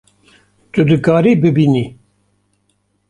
Tu dikarî bibînî